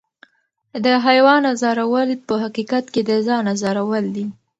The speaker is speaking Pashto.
د حیوان ازارول په حقیقت کې د ځان ازارول دي.